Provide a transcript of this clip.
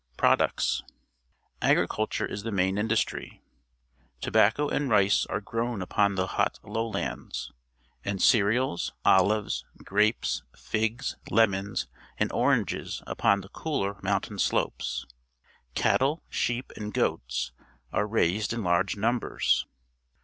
Products. — Agriculture is the main in dustry. Tobacco and rice are grown upon the hot lowlands; and cereals, olives, grapes, figs, lemons, and oranges upon the cooler mountain slopes. Cattle, sheep, and goats are raised in large numbers.